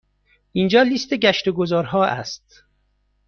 اینجا لیست گشت و گذار ها است.